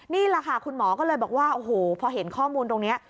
นี่แหละค่ะคุณหมอก็เลยบอกว่าโอ้โหพอเห็นข้อมูลตรงนี้